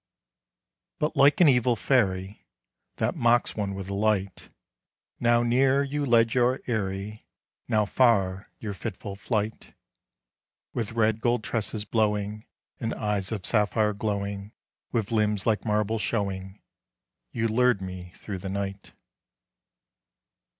But like an evil fairy, That mocks one with a light, Now near, you led your airy, Now far, your fitful flight: With red gold tresses blowing, And eyes of sapphire glowing, With limbs like marble showing, You lured me through the night.